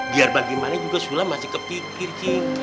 biar bagaimana juga sulam masih kepikir cing